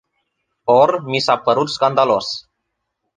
Or, mi s-a părut scandalos.